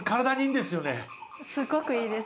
すごくいいです。